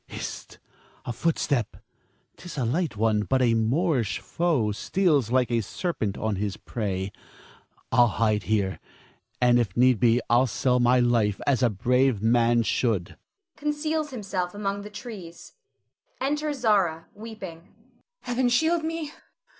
Hist! a footstep. 'Tis a light one, but a Moorish foe steals like a serpent on his prey. I'll hide me here, and if need be I'll sell my life as a brave man should [conceals himself among the trees]. [Enter Zara, weeping. Zara. Heaven shield me!